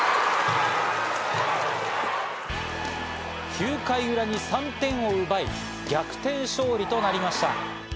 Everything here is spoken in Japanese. ９回裏に３点を奪い、逆転勝利となりました。